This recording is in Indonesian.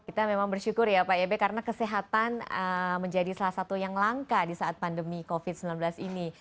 kita memang bersyukur ya pak ebe karena kesehatan menjadi salah satu yang langka di saat pandemi covid sembilan belas ini